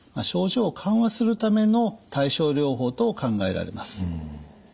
症状を緩和するための対症療法と考えられます。